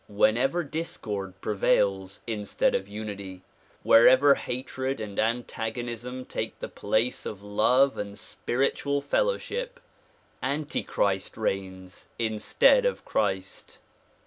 Whenever discord prevails instead of unity, wherever hatred and antagonism take the place of love and spiritual fellow^ship, anti Christ reigns instead of Christ.